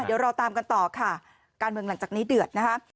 เดี๋ยวเราตามกันต่อค่ะการเมืองหลังจากนี้เดือดนะคะ